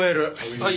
はい！